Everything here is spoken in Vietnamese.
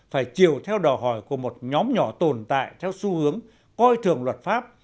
phải chiều theo đòi hỏi của một nhóm nhỏ tồn tại theo xu hướng coi thường luật pháp